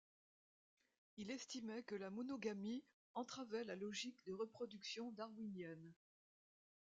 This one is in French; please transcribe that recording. Il estimait que la monogamie entravait la logique de reproduction darwinienne.